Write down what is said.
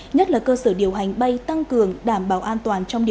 nhất là cơ sở điều hành bay tăng cường đảm bảo an toàn hoạt động bay